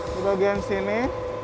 di bagian sini